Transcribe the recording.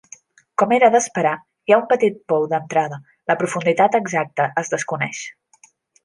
Com era d'esperar, hi ha un petit pou d'entrada, la profunditat exacta es desconeix.